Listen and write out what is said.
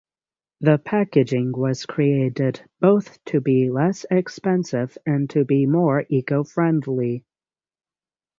The packaging was created both to be less expensive and to be more eco-friendly.